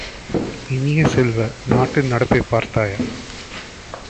இனிய செல்வ, நாட்டின் நடப்பைப் பார்த்தாயா?